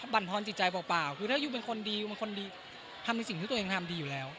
บรรพรจิตใจเปล่าคือถ้าอยู่เป็นคนดีทำให้สิ่งที่เต็มทำดีอยู่แล้ว